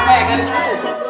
eh garis kutu